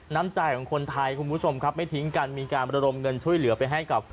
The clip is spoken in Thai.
น้ำใจของคนไทยคุณผู้ชมครับไม่ทิ้งกันมีการระดมเงินช่วยเหลือไปให้กับ